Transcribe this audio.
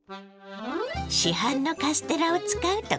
市販のカステラを使うと簡単よ。